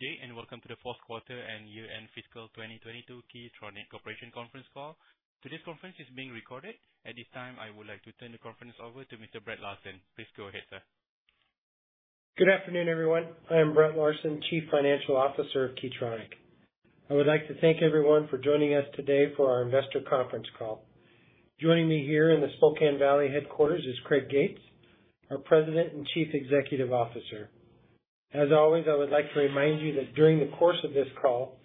Good day, and welcome to the fourth quarter and year-end fiscal 2022 Key Tronic Corporation conference call. Today's conference is being recorded. At this time, I would like to turn the conference over to Mr. Brett Larsen. Please go ahead, sir. Good afternoon, everyone. I am Brett Larsen, Chief Financial Officer of Key Tronic. I would like to thank everyone for joining us today for our investor conference call. Joining me here in the Spokane Valley headquarters is Craig Gates, our President and Chief Executive Officer. As always, I would like to remind you that during the course of this call,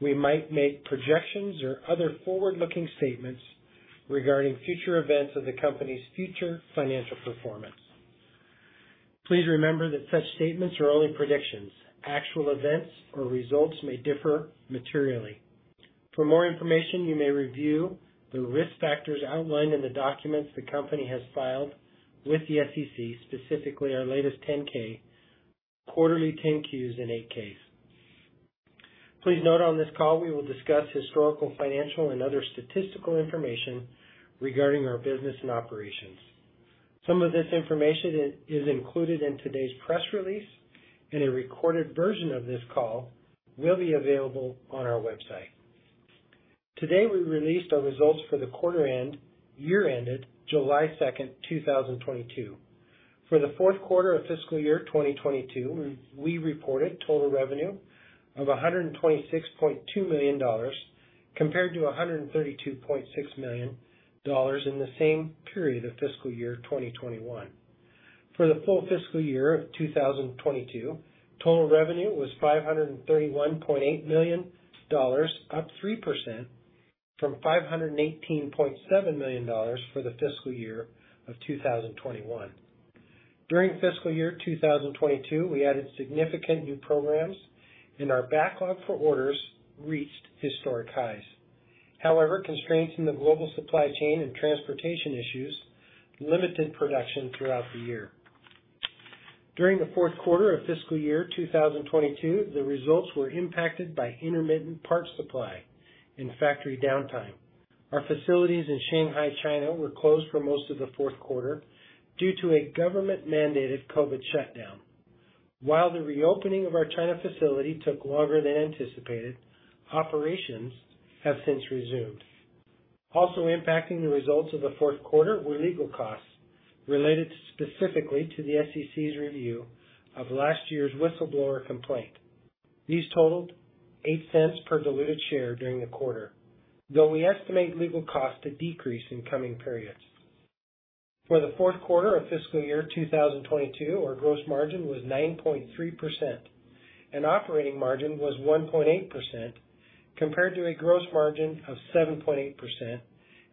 we might make projections or other forward-looking statements regarding future events or the company's future financial performance. Please remember that such statements are only predictions. Actual events or results may differ materially. For more information, you may review the risk factors outlined in the documents the company has filed with the SEC, specifically our latest 10-K, quarterly 10-Qs, and 8-Ks. Please note on this call we will discuss historical, financial, and other statistical information regarding our business and operations. Some of this information is included in today's press release, and a recorded version of this call will be available on our website. Today, we released our results for the quarter ended, year ended July 2nd, 2022. For the fourth quarter of fiscal year 2022, we reported total revenue of $126.2 million compared to $132.6 million in the same period of fiscal year 2021. For the full fiscal year of 2022, total revenue was $531.8 million, up 3% from $518.7 million for the fiscal year of 2021. During fiscal year 2022, we added significant new programs and our backlog for orders reached historic highs. However, constraints in the global supply chain and transportation issues limited production throughout the year. During the fourth quarter of fiscal year 2022, the results were impacted by intermittent parts supply and factory downtime. Our facilities in Shanghai, China were closed for most of the fourth quarter due to a government-mandated COVID shutdown. While the reopening of our China facility took longer than anticipated, operations have since resumed. Also impacting the results of the fourth quarter were legal costs related specifically to the SEC's review of last year's whistleblower complaint. These totaled $0.08 per diluted share during the quarter, though we estimate legal costs to decrease in coming periods. For the fourth quarter of fiscal year 2022, our gross margin was 9.3% and operating margin was 1.8% compared to a gross margin of 7.8%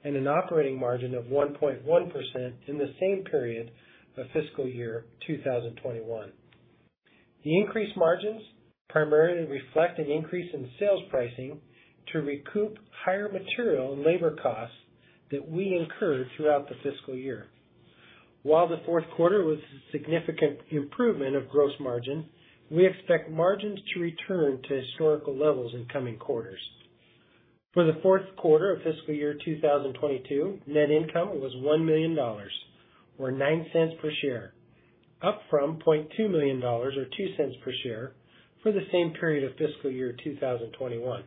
and an operating margin of 1.1% in the same period of fiscal year 2021. The increased margins primarily reflect an increase in sales pricing to recoup higher material and labor costs that we incurred throughout the fiscal year. While the fourth quarter was a significant improvement of gross margin, we expect margins to return to historical levels in coming quarters. For the fourth quarter of fiscal year 2022, net income was $1 million, or $0.09 per share, up from $0.2 million or $0.02 per share for the same period of fiscal year 2021.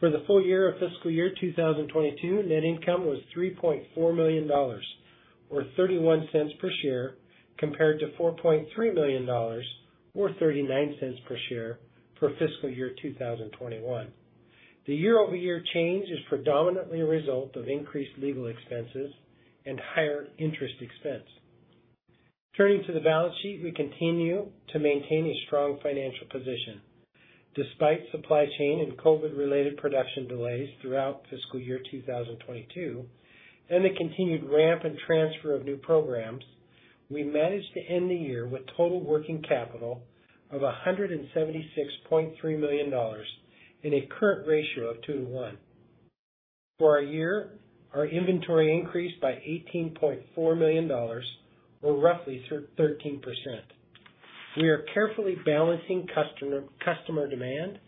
For the full year of fiscal year 2022, net income was $3.4 million or $0.31 per share compared to $4.3 million or $0.39 per share for fiscal year 2021. The year-over-year change is predominantly a result of increased legal expenses and higher interest expense. Turning to the balance sheet, we continue to maintain a strong financial position. Despite supply chain and COVID-related production delays throughout fiscal year 2022 and the continued ramp and transfer of new programs, we managed to end the year with total working capital of $176.3 million and a current ratio of 2:1. For the year, our inventory increased by $18.4 million or roughly 13%. We are carefully balancing customer demand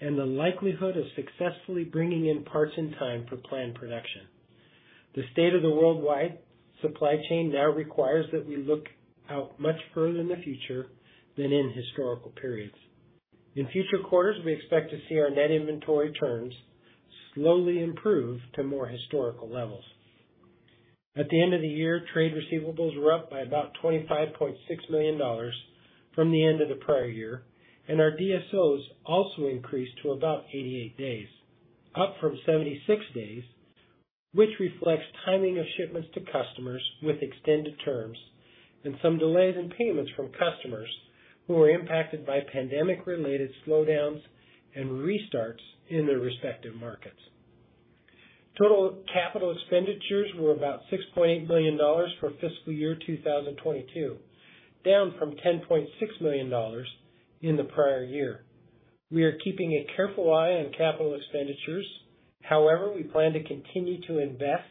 and the likelihood of successfully bringing in parts in time for planned production. The state of the worldwide supply chain now requires that we look out much further in the future than in historical periods. In future quarters, we expect to see our net inventory turns slowly improve to more historical levels. At the end of the year, trade receivables were up by about $25.6 million from the end of the prior year, and our DSOs also increased to about 88 days, up from 76 days, which reflects timing of shipments to customers with extended terms and some delays in payments from customers who were impacted by pandemic-related slowdowns and restarts in their respective markets. Total capital expenditures were about $6.8 million for fiscal year 2022, down from $10.6 million in the prior year. We are keeping a careful eye on capital expenditures. However, we plan to continue to invest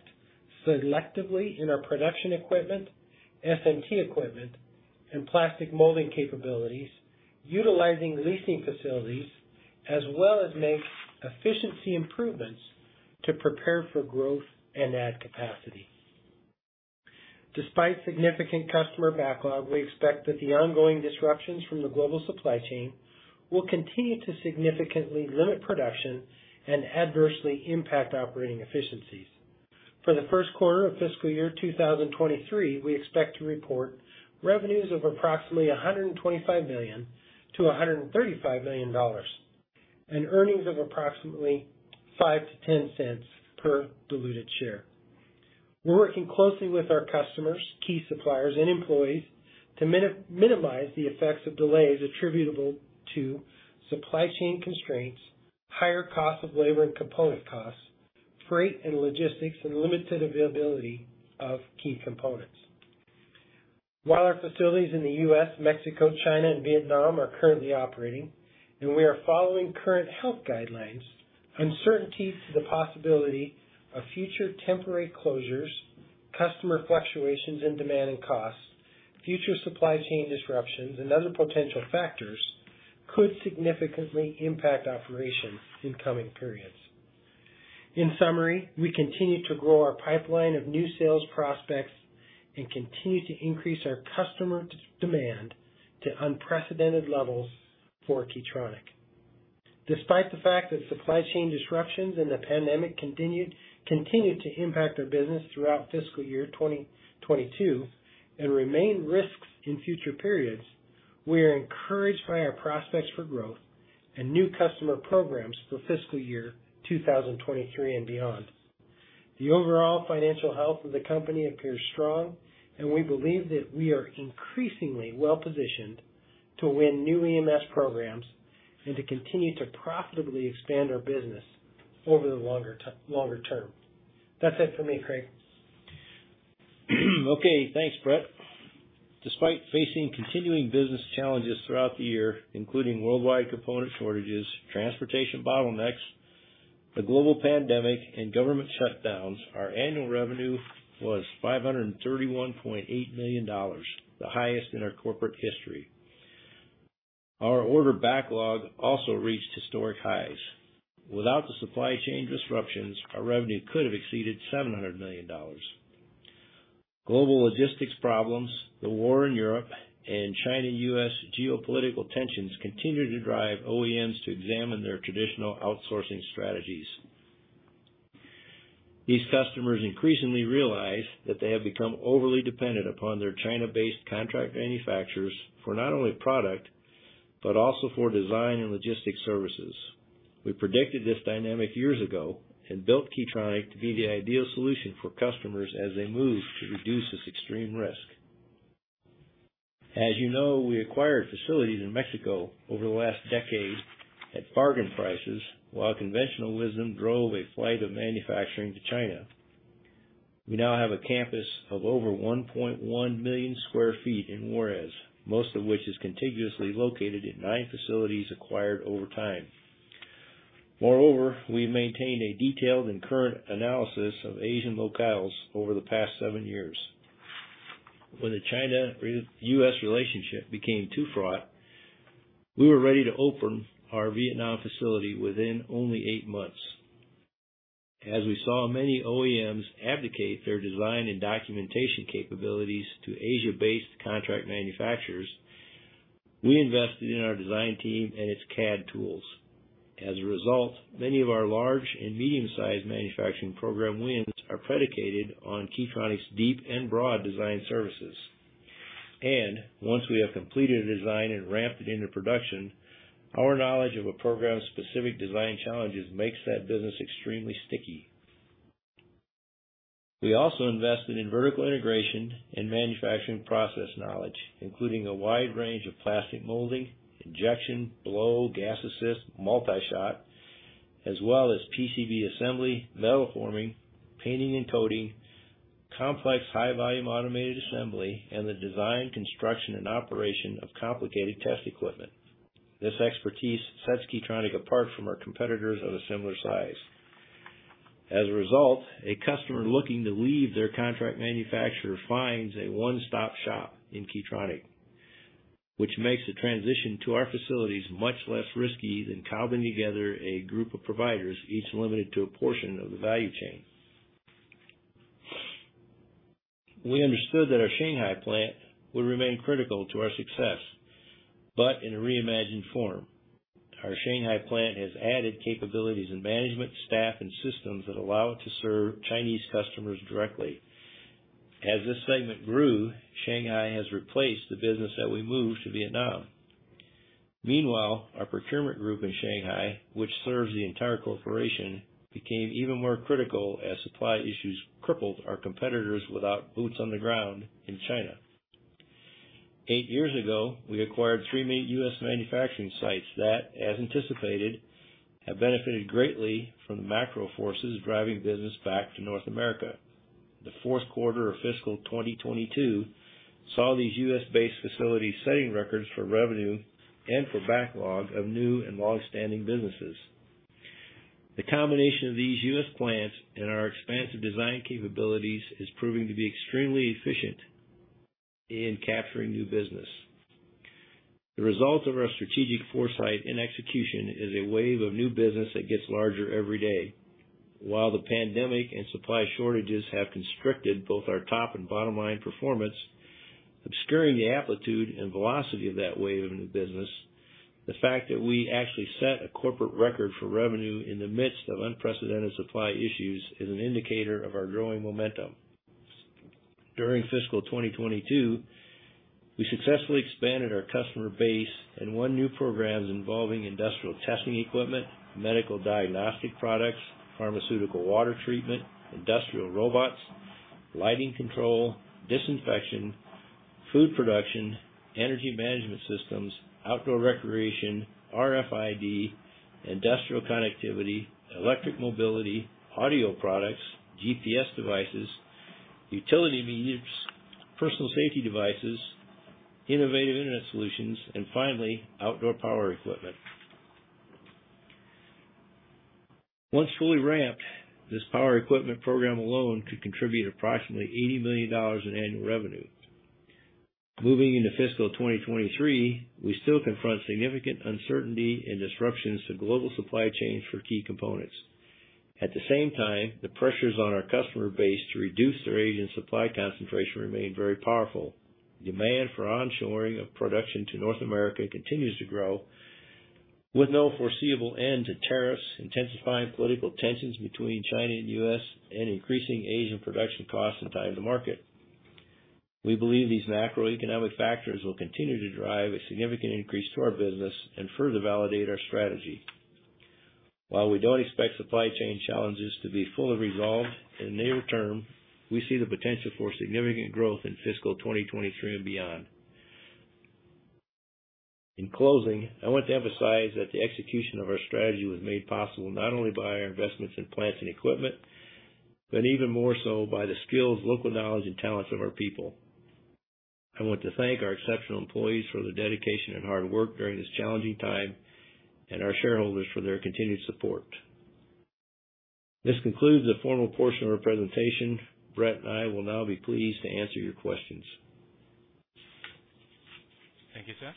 selectively in our production equipment, SMT equipment, and plastic molding capabilities utilizing leasing facilities as well as make efficiency improvements to prepare for growth and add capacity. Despite significant customer backlog, we expect that the ongoing disruptions from the global supply chain will continue to significantly limit production and adversely impact operating efficiencies. For the first quarter of fiscal year 2023, we expect to report revenues of approximately $125 million-$135 million and earnings of approximately $0.5-$0.10 per diluted share. We're working closely with our customers, key suppliers and employees to minimize the effects of delays attributable to supply chain constraints, higher costs of labor and component costs, freight and logistics, and limited availability of key components. While our facilities in the U.S., Mexico, China and Vietnam are currently operating and we are following current health guidelines, uncertainty to the possibility of future temporary closures, customer fluctuations in demand and costs, future supply chain disruptions, and other potential factors could significantly impact operations in coming periods. In summary, we continue to grow our pipeline of new sales prospects and continue to increase our customer demand to unprecedented levels for Key Tronic. Despite the fact that supply chain disruptions and the pandemic continued to impact our business throughout fiscal year 2022 and remain risks in future periods, we are encouraged by our prospects for growth and new customer programs for fiscal year 2023 and beyond. The overall financial health of the company appears strong and we believe that we are increasingly well-positioned to win new EMS programs and to continue to profitably expand our business over the longer term. That's it for me, Craig. Okay, thanks, Brett. Despite facing continuing business challenges throughout the year, including worldwide component shortages, transportation bottlenecks, the global pandemic and government shutdowns, our annual revenue was $531.8 million, the highest in our corporate history. Our order backlog also reached historic highs. Without the supply chain disruptions, our revenue could have exceeded $700 million. Global logistics problems, the war in Europe, and China-U.S. geopolitical tensions continue to drive OEMs to examine their traditional outsourcing strategies. These customers increasingly realize that they have become overly dependent upon their China-based contract manufacturers for not only product, but also for design and logistics services. We predicted this dynamic years ago and built Key Tronic to be the ideal solution for customers as they move to reduce this extreme risk. As you know, we acquired facilities in Mexico over the last decade at bargain prices while conventional wisdom drove a flight of manufacturing to China. We now have a campus of over 1.1 million sq ft in Juárez, most of which is contiguously located in nine facilities acquired over time. Moreover, we've maintained a detailed and current analysis of Asian locales over the past seven years. When the China-U.S. relationship became too fraught, we were ready to open our Vietnam facility within only eight months. As we saw many OEMs abdicate their design and documentation capabilities to Asia-based contract manufacturers, we invested in our design team and its CAD tools. As a result, many of our large and medium-sized manufacturing program wins are predicated on Key Tronic's deep and broad design services. Once we have completed a design and ramped it into production, our knowledge of a program's specific design challenges makes that business extremely sticky. We also invested in vertical integration and manufacturing process knowledge, including a wide range of plastic molding, injection, blow, gas assist, multi-shot, as well as PCB assembly, metal forming, painting and coating, complex high volume automated assembly, and the design, construction, and operation of complicated test equipment. This expertise sets Key Tronic apart from our competitors of a similar size. As a result, a customer looking to leave their contract manufacturer finds a one-stop shop in Key Tronic, which makes the transition to our facilities much less risky than cobbling together a group of providers, each limited to a portion of the value chain. We understood that our Shanghai plant would remain critical to our success, but in a reimagined form. Our Shanghai plant has added capabilities in management, staff, and systems that allow it to serve Chinese customers directly. As this segment grew, Shanghai has replaced the business that we moved to Vietnam. Meanwhile, our procurement group in Shanghai, which serves the entire corporation, became even more critical as supply issues crippled our competitors without boots on the ground in China. eight years ago, we acquired three main U.S. manufacturing sites that, as anticipated, have benefited greatly from the macro forces driving business back to North America. The fourth quarter of fiscal 2022 saw these U.S.-based facilities setting records for revenue and for backlog of new and longstanding businesses. The combination of these U.S. plants and our expansive design capabilities is proving to be extremely efficient in capturing new business. The result of our strategic foresight and execution is a wave of new business that gets larger every day. While the pandemic and supply shortages have constricted both our top and bottom-line performance, obscuring the amplitude and velocity of that wave of new business, the fact that we actually set a corporate record for revenue in the midst of unprecedented supply issues is an indicator of our growing momentum. During fiscal 2022, we successfully expanded our customer base and won new programs involving industrial testing equipment, medical diagnostic products, pharmaceutical water treatment, industrial robots, lighting control, disinfection, food production, energy management systems, outdoor recreation, RFID, industrial connectivity, electric mobility, audio products, GPS devices, utility meters, personal safety devices, innovative internet solutions, and finally, outdoor power equipment. Once fully ramped, this power equipment program alone could contribute approximately $80 million in annual revenue. Moving into fiscal 2023, we still confront significant uncertainty and disruptions to global supply chains for key components. At the same time, the pressures on our customer base to reduce their Asian supply concentration remain very powerful. Demand for onshoring of production to North America continues to grow, with no foreseeable end to tariffs, intensifying political tensions between China and U.S., and increasing Asian production costs and time to market. We believe these macroeconomic factors will continue to drive a significant increase to our business and further validate our strategy. While we don't expect supply chain challenges to be fully resolved in the near term, we see the potential for significant growth in fiscal 2023 and beyond. In closing, I want to emphasize that the execution of our strategy was made possible not only by our investments in plants and equipment, but even more so by the skills, local knowledge and talents of our people. I want to thank our exceptional employees for their dedication and hard work during this challenging time and our shareholders for their continued support. This concludes the formal portion of our presentation. Brett and I will now be pleased to answer your questions. Thank you, sir.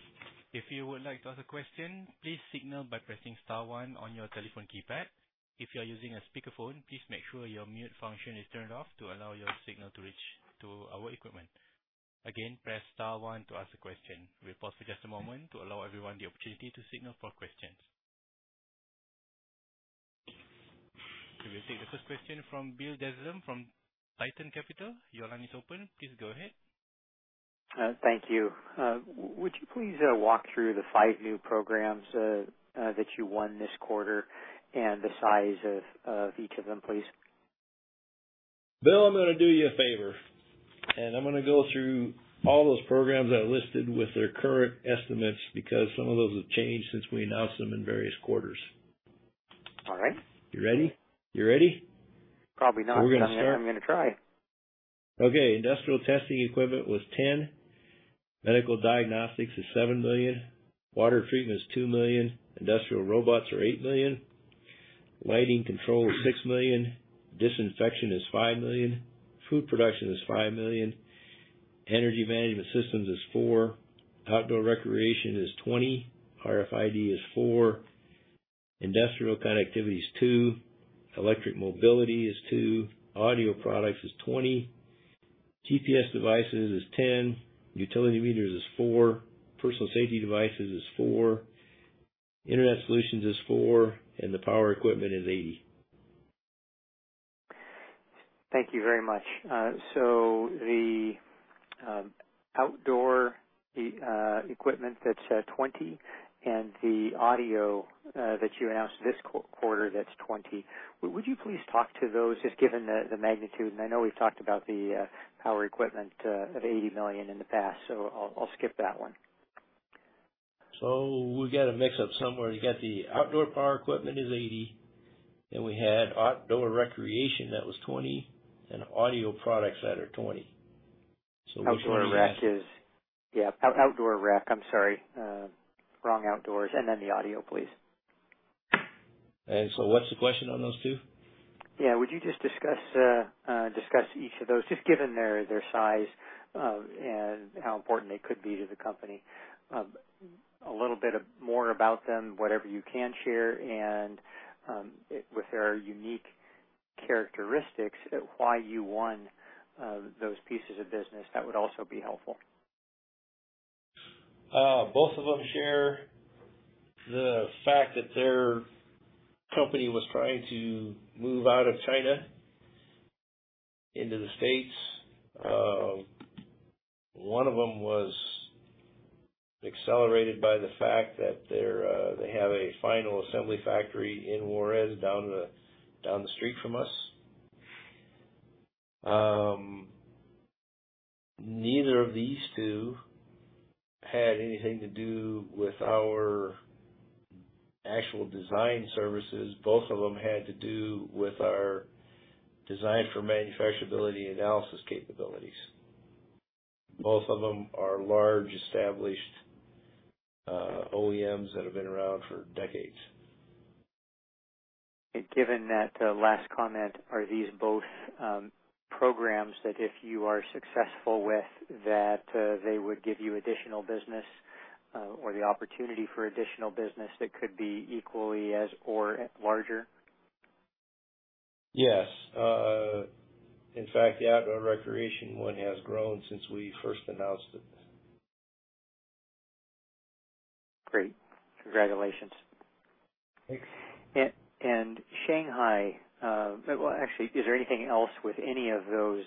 If you would like to ask a question, please signal by pressing star one on your telephone keypad. If you are using a speakerphone, please make sure your mute function is turned off to allow your signal to reach to our equipment. Again, press star one to ask a question. We'll pause for just a moment to allow everyone the opportunity to signal for questions. We will take the first question from Bill Dezellem from Titan Capital. Your line is open. Please go ahead. Thank you. Would you please walk through the five new programs that you won this quarter and the size of each of them, please? Bill, I'm gonna do you a favor, and I'm gonna go through all those programs I listed with their current estimates because some of those have changed since we announced them in various quarters. All right. You ready? Probably not. We're gonna start. I'm gonna try. Okay. Industrial testing equipment was $10 million. Medical diagnostics is $7 million. Water treatment is $2 million. Industrial robots are $8 million. Lighting control is $6 million. Disinfection is $5 million. Food production is $5 million. Energy management systems is $4 million. Outdoor recreation is $20 million. RFID is $4 million. Industrial connectivity is $2 million. Electric mobility is $2 million. Audio products is $20 million. GPS devices is $10 million. Utility meters is $4 million. Personal safety devices is $4 million. Internet solutions is $4 million. The power equipment is $80 million. Thank you very much. The outdoor equipment, that's $20 million and the audio that you announced this quarter, that's $20 million. Would you please talk to those just given the magnitude, and I know we've talked about the power equipment at $80 million in the past, so I'll skip that one. We got a mix-up somewhere. You got the outdoor power equipment is 80, then we had outdoor recreation that was 20, and audio products that are 20. Which one is that? Outdoor rec. Yeah. Outdoor rec. I'm sorry, wrong outdoors. Then the audio, please. What's the question on those two? Yeah. Would you just discuss each of those, just given their size, and how important they could be to the company? A little bit more about them, whatever you can share, and with their unique characteristics, why you won those pieces of business. That would also be helpful. Both of them share the fact that their company was trying to move out of China into the States. One of them was accelerated by the fact that they have a final assembly factory in Juárez, down the street from us. Neither of these two had anything to do with our actual design services. Both of them had to do with our design for manufacturability analysis capabilities. Both of them are large established OEMs that have been around for decades. Given that last comment, are these both programs that if you are successful with, that they would give you additional business or the opportunity for additional business that could be equally as or larger? Yes. In fact, the outdoor recreation one has grown since we first announced it. Great. Congratulations. Thanks. Shanghai, well, actually, is there anything else with any of those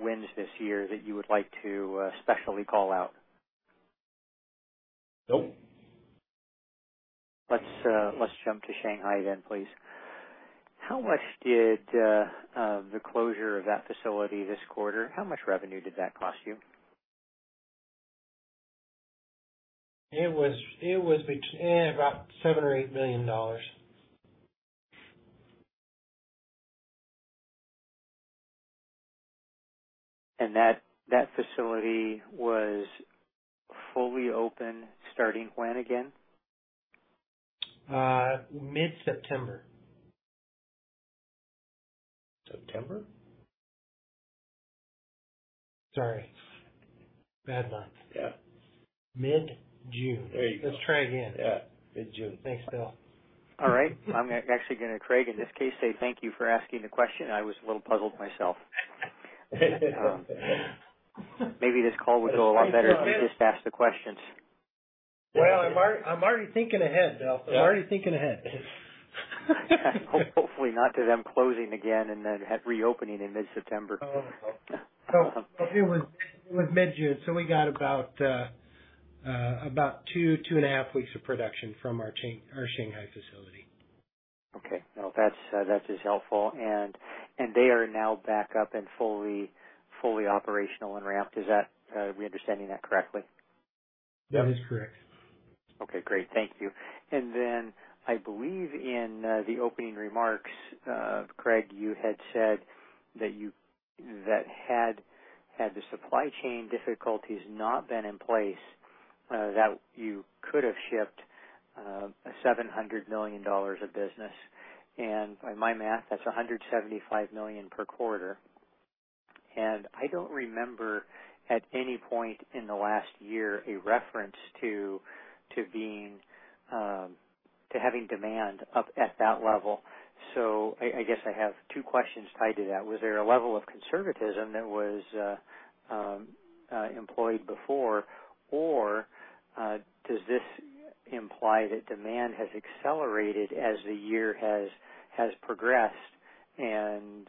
wins this year that you would like to especially call out? Nope. Let's jump to Shanghai then, please. How much did the closure of that facility this quarter, how much revenue did that cost you? It was about $7 million or $8 million. That facility was fully open starting when again? Mid-September. September? Sorry. Bad month. Yeah. Mid-June. There you go. Let's try again. Yeah, mid-June. Thanks, Bill. All right. I'm actually gonna, Craig, in this case, say thank you for asking the question. I was a little puzzled myself. Maybe this call would go a lot better if you just ask the questions. Well, I'm already thinking ahead, Bill. Yeah. I'm already thinking ahead. Hopefully not to them closing again and then reopening in mid-September. Oh. Yeah. It was mid-June, so we got about 2.5 weeks of production from our Shanghai facility. Okay. No, that's that is helpful. They are now back up and fully operational and ramped. Are we understanding that correctly? That is correct. Okay, great. Thank you. I believe in the opening remarks, Craig, you had said that had the supply chain difficulties not been in place, that you could have shipped $700 million of business. By my math, that's $175 million per quarter. I don't remember at any point in the last year a reference to having demand up at that level. I guess I have two questions tied to that. Was there a level of conservatism that was employed before? Does this imply that demand has accelerated as the year has progressed and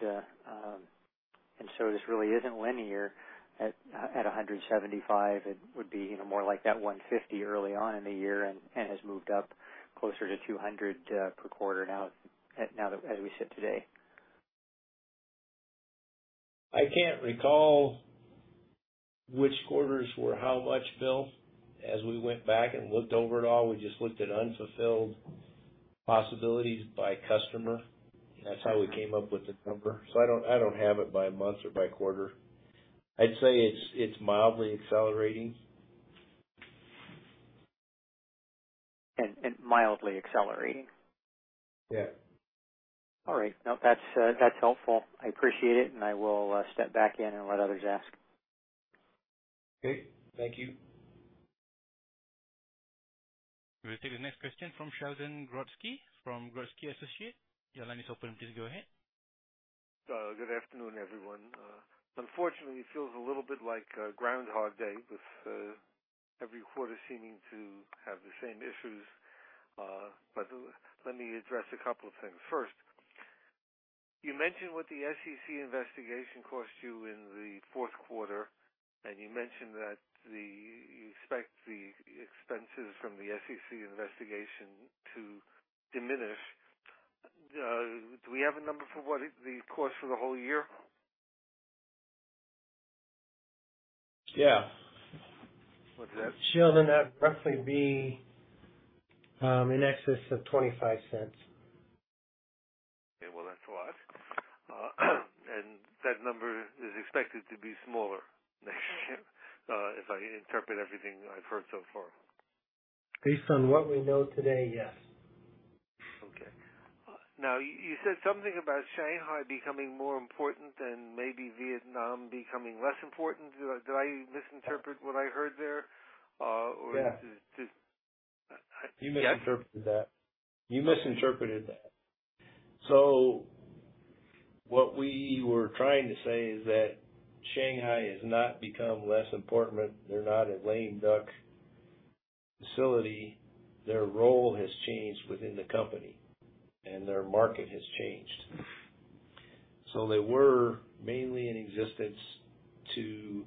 so this really isn't linear at $175, it would be, you know, more like that $150 early on in the year and has moved up closer to $200 per quarter now that as we sit today? I can't recall which quarters were how much, Bill. As we went back and looked over it all, we just looked at unfulfilled possibilities by customer. That's how we came up with the number. I don't have it by month or by quarter. I'd say it's mildly accelerating. Mildly accelerating? Yeah. All right. No, that's helpful. I appreciate it, and I will step back in and let others ask. Okay. Thank you. We'll take the next question from Sheldon Grodsky from Grodsky Associates. Your line is open. Please go ahead. Good afternoon, everyone. Unfortunately, it feels a little bit like Groundhog Day with every quarter seeming to have the same issues. Let me address a couple of things. First, you mentioned what the SEC investigation cost you in the fourth quarter, and you mentioned you expect the expenses from the SEC investigation to diminish. Do we have a number for what it cost for the whole year? Yeah. What's that? Sheldon, that'd roughly be in excess of $0.25. Okay. Well, that's a lot. That number is expected to be smaller next year, if I interpret everything I've heard so far. Based on what we know today, yes. Okay. Now, you said something about Shanghai becoming more important and maybe Vietnam becoming less important. Did I misinterpret what I heard there? Yeah. Just. You misinterpreted that. What we were trying to say is that Shanghai has not become less important. They're not a lame duck facility. Their role has changed within the company, and their market has changed. They were mainly in existence to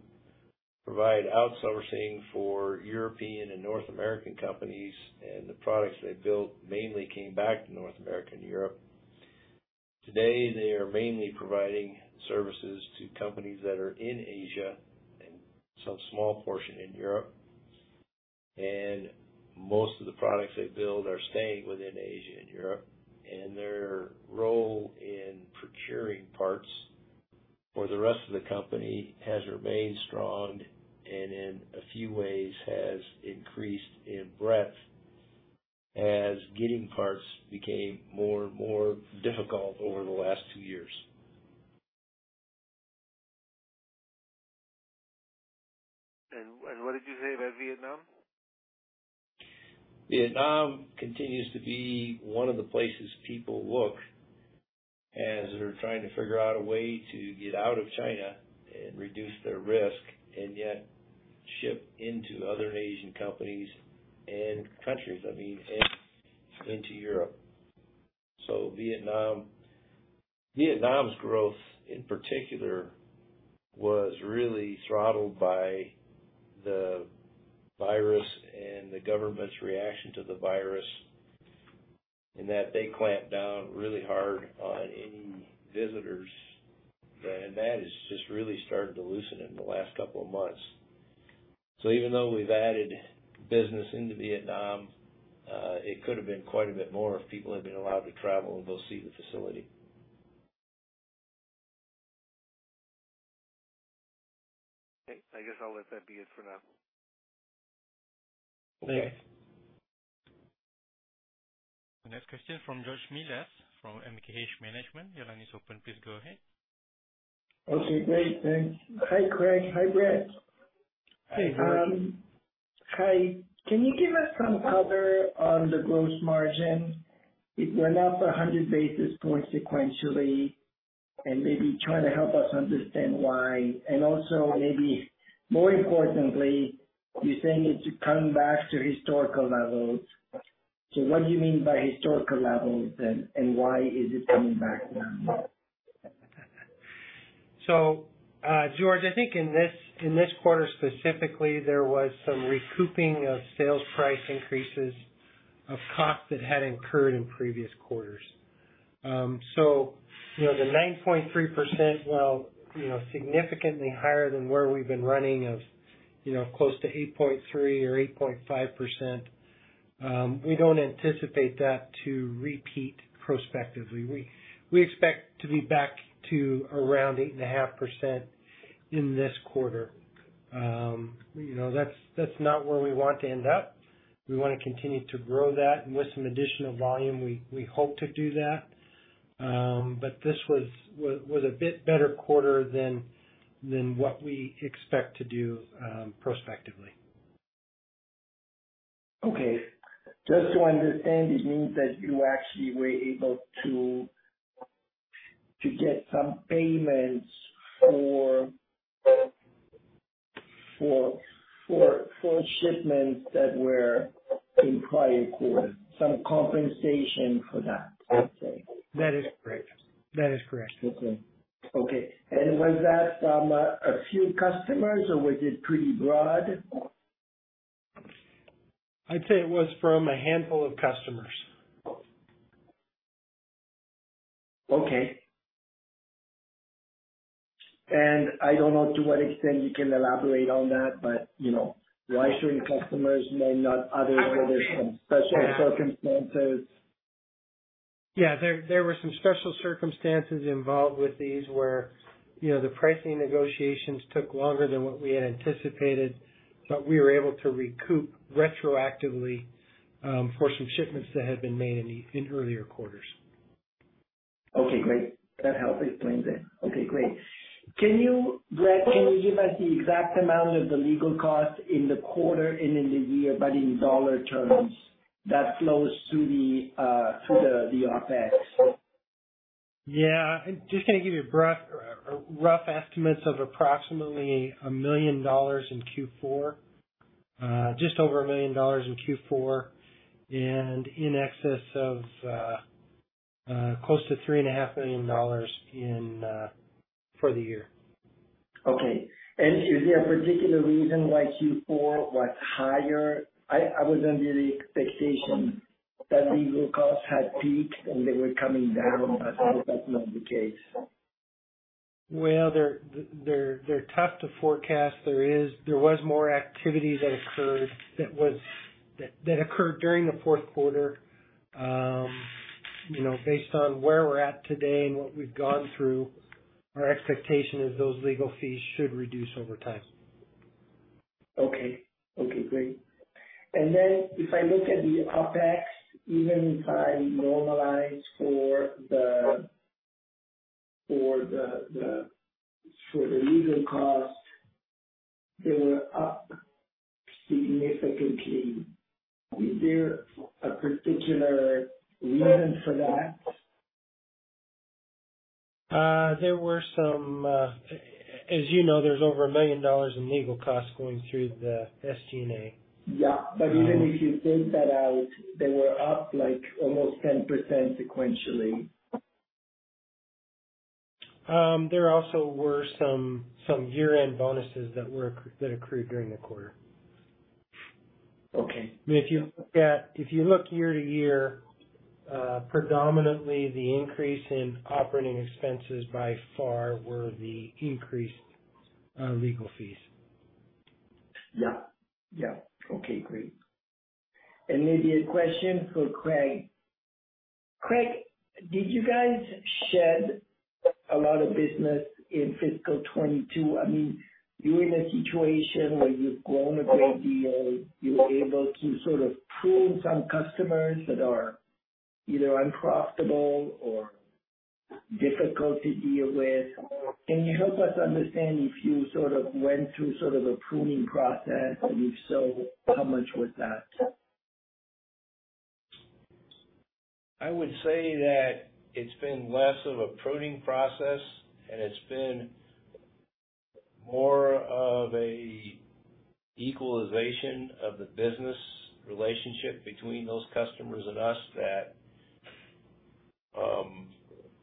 provide outsourcing for European and North American companies, and the products they built mainly came back to North America and Europe. Today, they are mainly providing services to companies that are in Asia and some small portion in Europe. Most of the products they build are staying within Asia and Europe, and their role in procuring parts. For the rest of the company has remained strong and in a few ways has increased in breadth as getting parts became more and more difficult over the last two years. What did you say about Vietnam? Vietnam continues to be one of the places people look as they're trying to figure out a way to get out of China and reduce their risk and yet ship into other Asian companies and countries, I mean, and into Europe. Vietnam's growth in particular, was really throttled by the virus and the government's reaction to the virus in that they clamped down really hard on any visitors. That has just really started to loosen in the last couple of months. Even though we've added business into Vietnam, it could have been quite a bit more if people had been allowed to travel and go see the facility. Okay. I guess I'll let that be it for now. Okay. The next question from George Melas-Kyriazi, from MKH Management. Your line is open. Please go ahead. Okay, great. Thanks. Hi, Craig. Hi, Bre. Hey, George. Hi. Can you give us some color on the gross margin? It went up 100 basis points sequentially, and maybe try to help us understand why. Also, maybe more importantly, you're saying it should come back to historical levels. What do you mean by historical levels and why is it coming back now? George Melas-Kyriazi, I think in this quarter specifically, there was some recouping of sales price increases in costs that had incurred in previous quarters. You know, the 9.3%, while you know, significantly higher than where we've been running at you know close to 8.3% or 8.5%, we don't anticipate that to repeat prospectively. We expect to be back to around 8.5% in this quarter. You know, that's not where we want to end up. We wanna continue to grow that. With some additional volume, we hope to do that. This was a bit better quarter than what we expect to do prospectively. Okay. Just to understand, it means that you actually were able to get some payments for shipments that were in prior quarters, some compensation for that, I'd say. That is correct. Okay. Was that from a few customers or was it pretty broad? I'd say it was from a handful of customers. Okay. I don't know to what extent you can elaborate on that, but, you know, why certain customers may not order, were there some special circumstances? Yeah. There were some special circumstances involved with these where, you know, the pricing negotiations took longer than what we had anticipated, but we were able to recoup retroactively for some shipments that had been made in earlier quarters. Okay, great. That helps explain then. Okay, great. Can you, Brett, give us the exact amount of the legal costs in the quarter and in the year, but in dollar terms that flows through the OpEx? Yeah. Just gonna give you rough estimates of approximately $1 million in Q4. Just over $1 million in Q4 and in excess of close to $3.5 million in for the year. Okay. Is there a particular reason why Q4 was higher? I was under the expectation that legal costs had peaked, and they were coming down, but that's not the case. Well, they're tough to forecast. There was more activity that occurred during the fourth quarter. You know, based on where we're at today and what we've gone through, our expectation is those legal fees should reduce over time. Okay, great. If I look at the OpEx, even if I normalize for the legal cost, they were up significantly. Is there a particular reason for that? There were some, as you know, there's over $1 million in legal costs going through the SG&A. Yeah. Um- Even if you take that out, they were up like almost 10% sequentially. There also were some year-end bonuses that accrued during the quarter. Okay. If you look year to year, predominantly the increase in operating expenses by far were the increased legal fees. Yeah. Yeah. Okay, great. Maybe a question for Craig. Craig, did you guys shed a lot of business in fiscal 2022? I mean, you're in a situation where you've grown a great deal. You were able to sort of prune some customers that are either unprofitable or difficult to deal with. Can you help us understand if you sort of went through sort of a pruning process, and if so, how much was that? I would say that it's been less of a pruning process and it's been more of a equalization of the business relationship between those customers and us that,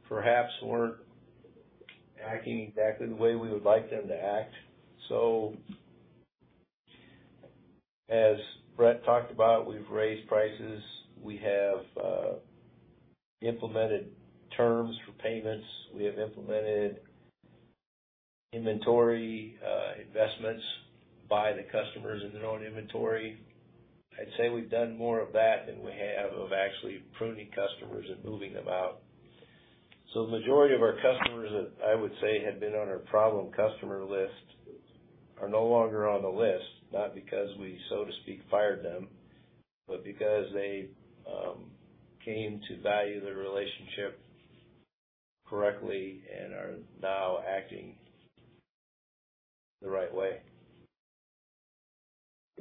perhaps weren't acting exactly the way we would like them to act. As Brett talked about, we've raised prices. We have implemented terms for payments. We have implemented inventory investments by the customers in their own inventory. I'd say we've done more of that than we have of actually pruning customers and moving them out. The majority of our customers that I would say had been on our problem customer list are no longer on the list, not because we, so to speak, fired them, but because they came to value the relationship correctly and are now acting the right way.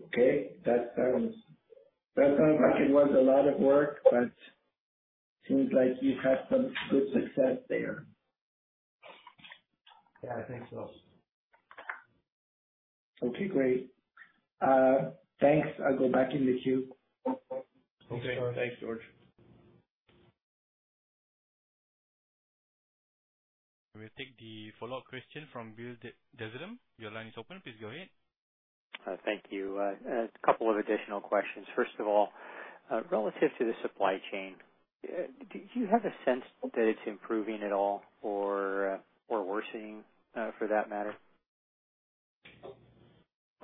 Okay. That sounds like it was a lot of work, but seems like you've had some good success there. Yeah, I think so. Okay, great. Thanks. I'll go back in the queue. Okay. Thanks, George. We'll take the follow-up question from Bill Dezellem. Your line is open. Please go ahead. Thank you. A couple of additional questions. First of all, relative to the supply chain, do you have a sense that it's improving at all or worsening, for that matter?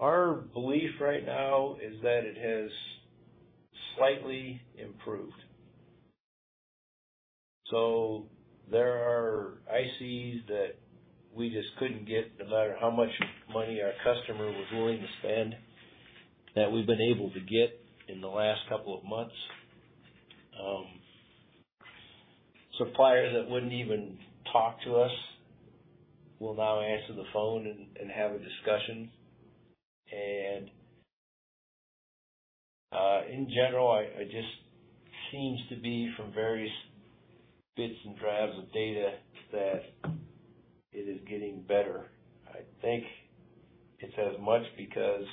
Our belief right now is that it has slightly improved. There are ICs that we just couldn't get no matter how much money our customer was willing to spend, that we've been able to get in the last couple of months. Suppliers that wouldn't even talk to us will now answer the phone and have a discussion. In general, it just seems to be from various bits and drabs of data that it is getting better. I think it's as much because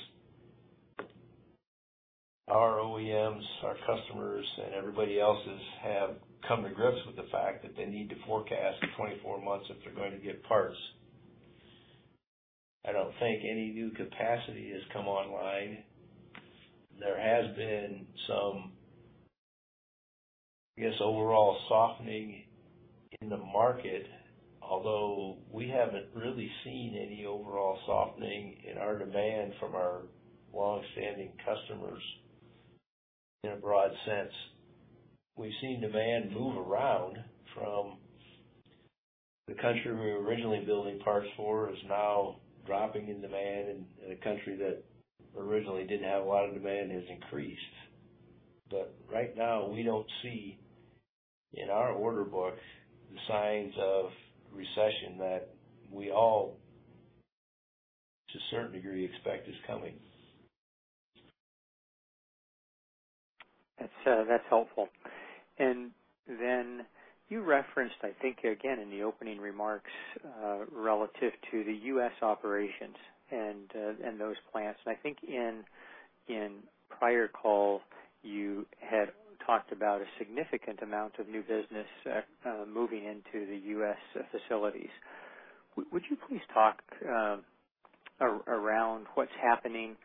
our OEMs, our customers and everybody else's have come to grips with the fact that they need to forecast 24 months if they're going to get parts. I don't think any new capacity has come online. There has been some, I guess, overall softening in the market, although we haven't really seen any overall softening in our demand from our longstanding customers in a broad sense. We've seen demand move around from the country we were originally building parts for is now dropping in demand, and a country that originally didn't have a lot of demand has increased. Right now we don't see in our order book the signs of recession that we all, to a certain degree, expect is coming. That's helpful. You referenced, I think again in the opening remarks, relative to the U.S. operations and those plants. I think in prior call, you had talked about a significant amount of new business moving into the U.S. facilities. Would you please talk around what's happening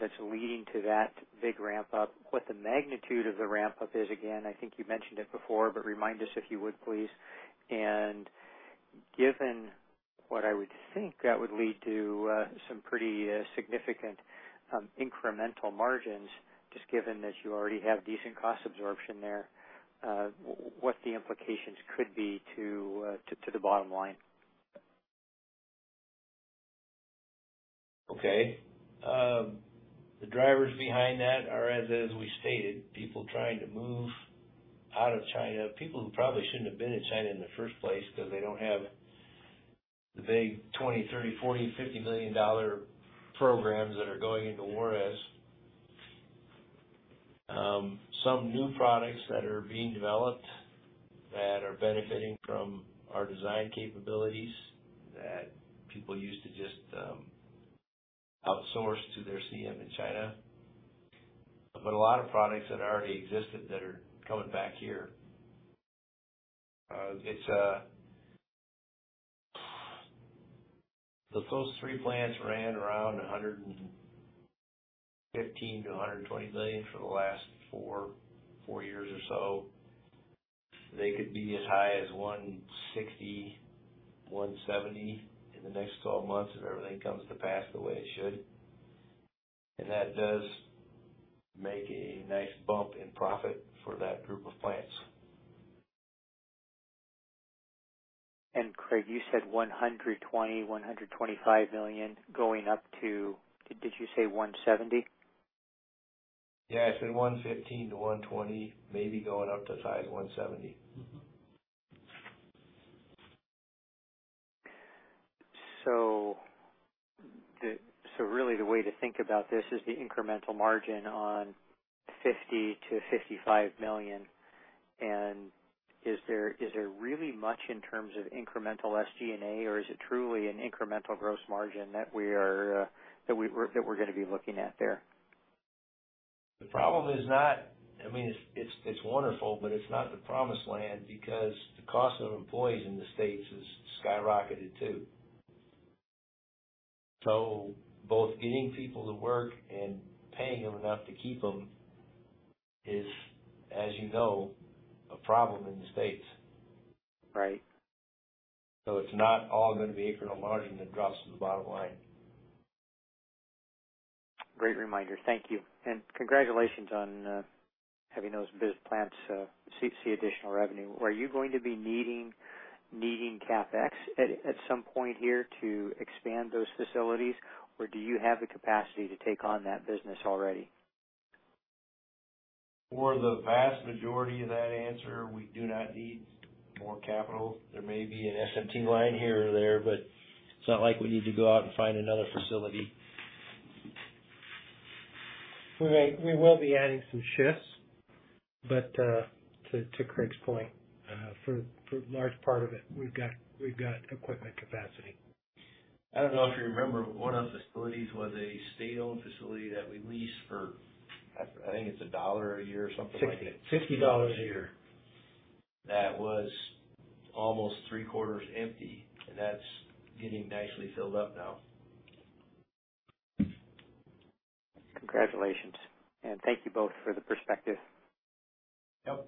that's leading to that big ramp up, what the magnitude of the ramp up is? Again, I think you mentioned it before, but remind us if you would, please. Given what I would think that would lead to, some pretty significant incremental margins, just given that you already have decent cost absorption there, what the implications could be to the bottom line. Okay. The drivers behind that are, as we stated, people trying to move out of China. People who probably shouldn't have been in China in the first place because they don't have the big $20 million, $30 million, $40 million, $50-million programs that are going into Juarez. Some new products that are being developed that are benefiting from our design capabilities that people used to just outsource to their CM in China. A lot of products that already existed that are coming back here. Those three plants ran around $115 million-$120 million for the last four years or so. They could be as high as $160 million-$170 million in the next 12 months if everything comes to pass the way it should. That does make a nice bump in profit for that group of plants. Craig, you said $120 million-$125 million going up to, did you say $170 million? Yeah, I said $115-$120, maybe going up to as high as $170. Mm-hmm. Really the way to think about this is the incremental margin on $50 million-$55 million. Is there really much in terms of incremental SG&A, or is it truly an incremental gross margin that we're gonna be looking at there? The problem is not, I mean, it's wonderful, but it's not the promised land because the cost of employees in the States has skyrocketed too. Both getting people to work and paying them enough to keep them is, as you know, a problem in the States. Right. It's not all gonna be incremental margin that drops to the bottom line. Great reminder. Thank you. Congratulations on having those business plans to see additional revenue. Are you going to be needing CapEx at some point here to expand those facilities, or do you have the capacity to take on that business already? For the vast majority of that answer, we do not need more capital. There may be an SMT line here or there, but it's not like we need to go out and find another facility. We will be adding some shifts, but to Craig's point, for large part of it, we've got equipment capacity. I don't know if you remember, one of the facilities was a state-owned facility that we leased for, I think, $1 a year or something like that. $50 a year. That was almost three-quarters empty, and that's getting nicely filled up now. Congratulations. Thank you both for the perspective. Yep.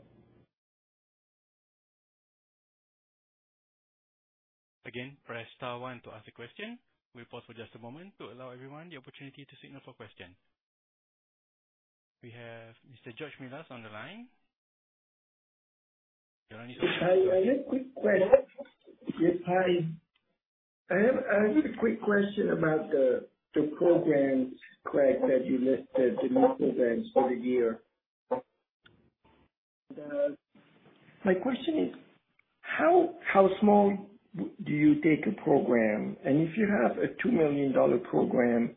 Again, press star one to ask a question. We'll pause for just a moment to allow everyone the opportunity to signal for question. We have Mr. George Melas-Kyriazi on the line. Is there any? Hi. I have a quick question. Yes, hi. I have a quick question about the programs, Craig, that you listed, the new programs for the year. My question is. How small do you take a program? If you have a $2 million program,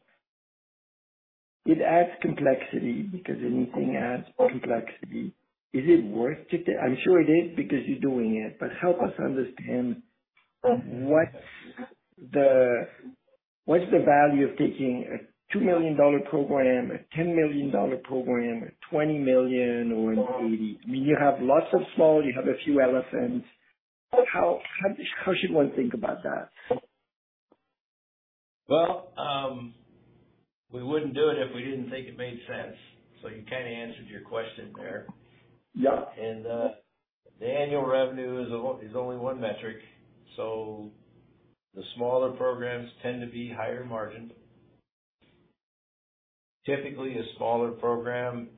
it adds complexity because anything adds complexity. Is it worth taking? I'm sure it is because you're doing it, but help us understand what's the value of taking a $2 million program, a $10 million program, a $20 million or an $80 million. I mean, you have lots of small, you have a few elephants. How should one think about that? Well, we wouldn't do it if we didn't think it made sense. You kinda answered your question there. Yeah. The annual revenue is only one metric. The smaller programs tend to be higher margined. Typically, a smaller program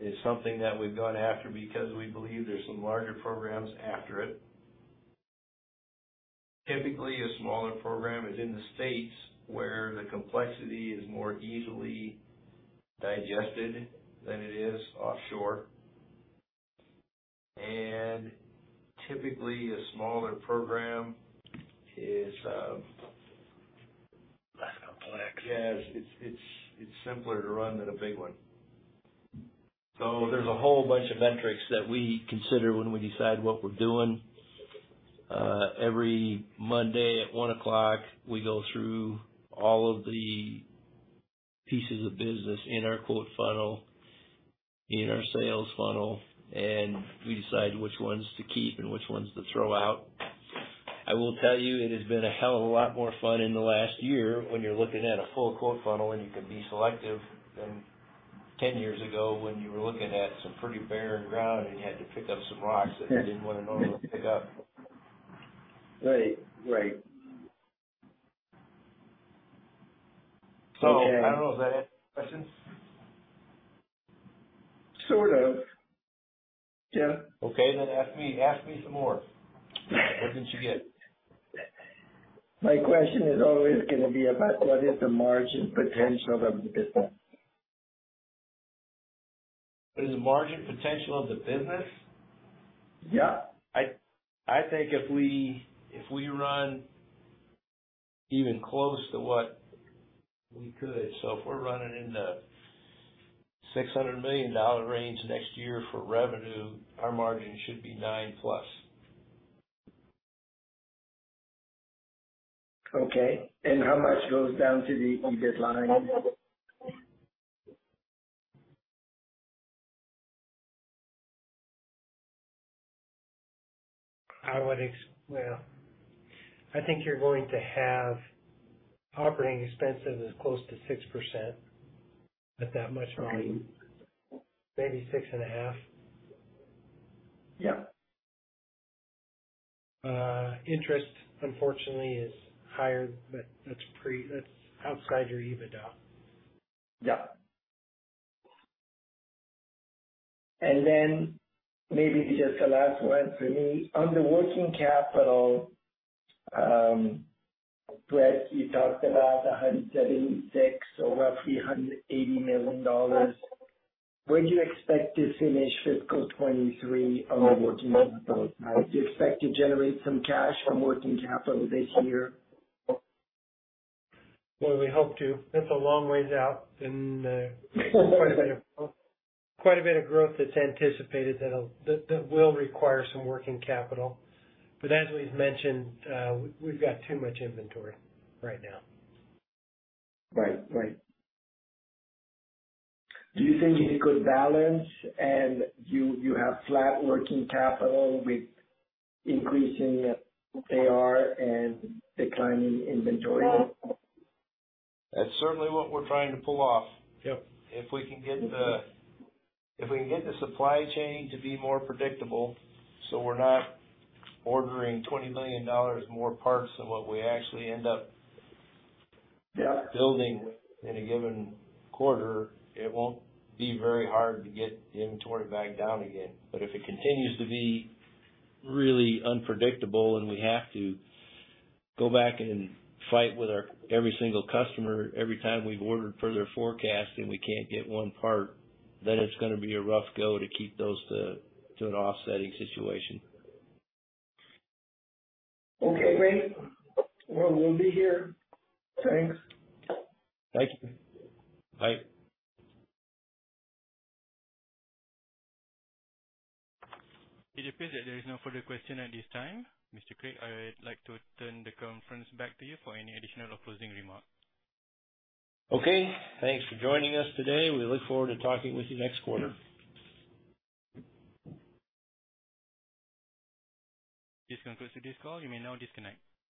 is something that we've gone after because we believe there's some larger programs after it. Typically, a smaller program is in the States, where the complexity is more easily digested than it is offshore. Less complex. Yes. It's simpler to run than a big one. There's a whole bunch of metrics that we consider when we decide what we're doing. Every Monday at one o'clock, we go through all of the pieces of business in our quote funnel, in our sales funnel, and we decide which ones to keep and which ones to throw out. I will tell you it has been a hell of a lot more fun in the last year when you're looking at a full quote funnel and you can be selective than 10 years ago when you were looking at some pretty barren ground and you had to pick up some rocks that you didn't wanna normally pick up. Right. Right. Okay. I don't know if that answered your question. Sort of. Yeah. Okay. Ask me some more. What didn't you get? My question is always gonna be about what is the margin potential of the business. What is the margin potential of the business? Yeah. I think if we run even close to what we could, so if we're running in the $600 million range next year for revenue, our margin should be 9%+. Okay. How much goes down to the EBITDA line? I think you're going to have operating expenses as close to 6% with that much margin. Maybe 6.5%. Yeah. Interest unfortunately is higher, but that's outside your EBITDA. Yeah. Then maybe just the last one for me. On the working capital, Brett, you talked about $176, over $380 million. Where do you expect to finish fiscal 2023 on the working capital? Do you expect to generate some cash from working capital this year? Well, we hope to. That's a long ways out and quite a bit of growth that's anticipated that will require some working capital. As we've mentioned, we've got too much inventory right now. Right. Do you think you could balance and you have flat working capital with increasing AR and declining inventory? That's certainly what we're trying to pull off. Yep. If we can get the supply chain to be more predictable, so we're not ordering $20 million more parts than what we actually end up. Yeah building in a given quarter, it won't be very hard to get the inventory back down again. If it continues to be really unpredictable and we have to go back and fight with our every single customer every time we've ordered per their forecast and we can't get one part, then it's gonna be a rough go to keep those to an offsetting situation. Okay, great. Well, we'll be here. Thanks. Thank you. Bye. It appears that there is no further question at this time. Mr. Gates, I would like to turn the conference back to you for any additional or closing remarks. Okay. Thanks for joining us today. We look forward to talking with you next quarter. This concludes today's call. You may now disconnect.